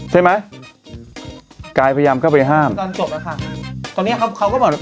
ใช่ไหมกายพยายามเข้าไปห้ามตอนจบอะค่ะตอนเนี้ยเขาเขาก็บอก